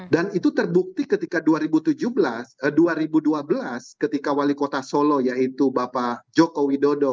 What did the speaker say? dan itu terbukti ketika dua ribu tujuh belas dua ribu dua belas ketika wali kota solo yaitu bapak jokowi